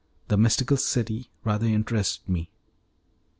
The "Mystical City" rather interested me.